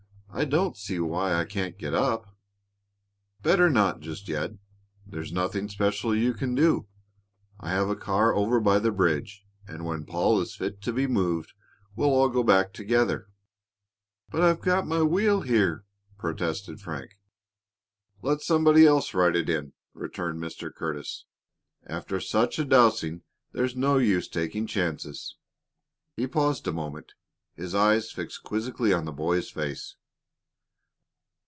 I don't see why I can't get up." "Better not just yet. There's nothing special you can do. I have a car over by the bridge, and when Paul is fit to be moved, we'll all go back together." "But I've got my wheel here," protested Frank. "Let somebody else ride it in," returned Mr. Curtis. "After such a dousing there's no use taking chances." He paused a moment, his eyes fixed quizzically on the boy's face.